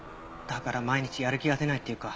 だから毎日やる気が出ないっていうか。